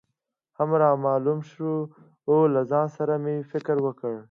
هم رامعلوم شو، له ځان سره مې فکر وکړ.